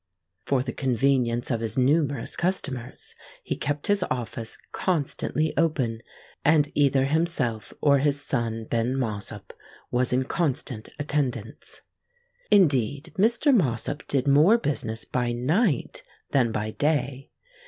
For the convenience of his numerous customers, he kept his office constantly open; and either himself or his son Ben Mossop was in constant attendance. Indeed, Mr. Mossop did more business by night than by day.